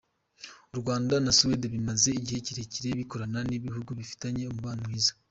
U Rwanda na Suède bimaze igihe kirekire bikorana nk’ibihugu bifitanye umubano mwiza.